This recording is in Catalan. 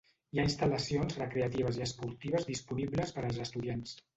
Hi ha instal·lacions recreatives i esportives disponibles per als estudiants.